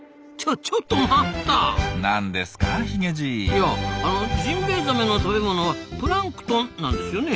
いやあのジンベエザメの食べ物はプランクトンなんですよね？